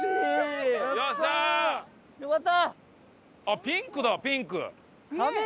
あっピンクだピンク。